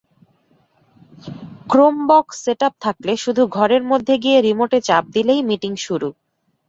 Chromebox setup থাকলে শুধু ঘরের মধ্যে গিয়ে রিমোটে চাপ দিলেই মিটিং শুরু।